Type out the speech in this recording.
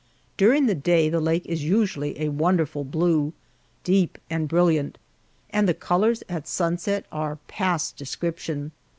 During the day the lake is usually a wonderful blue deep and brilliant and the colors at sunset are past description.